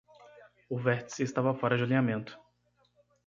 O vértice estava fora de alinhamento.